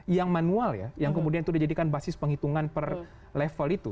yang manual ya yang kemudian itu dijadikan basis penghitungan per level itu